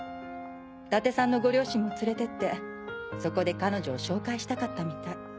伊達さんのご両親も連れてってそこで彼女を紹介したかったみたい。